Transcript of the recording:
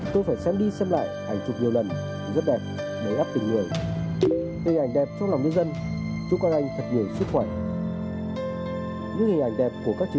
tôi phải xem đi xem lại hành trục nhiều lần rất đẹp đầy ấp tình người